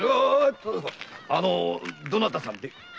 あのどなたさんで？